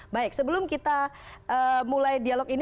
baik sebelum kita mulai dialog ini